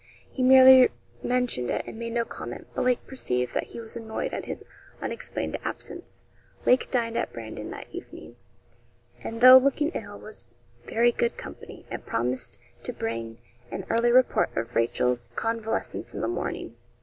He merely mentioned it, and made no comment; but Lake perceived that he was annoyed at his unexplained absence. Lake dined at Brandon that evening, and though looking ill, was very good company, and promised to bring an early report of Rachel's convalescence in the morning.